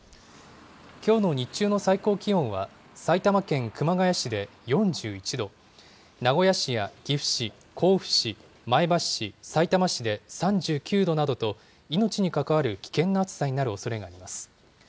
きょうの日中の最高気温は、埼玉県熊谷市で４１度、名古屋市や岐阜市、甲府市、前橋市、さいたま市で３９度などと、命に関わる危険な暑さになるおそれがあります。